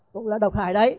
cũng là độc hại đấy